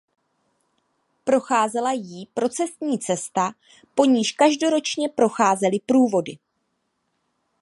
Procházela jí procesní cesta po níž každoročně procházely průvody.